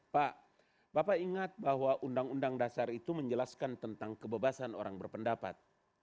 pak bapak ingat bahwa undang undang dasar itu menjelaskan tentang kebebasan orang berpendapat